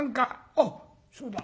あっそうだ。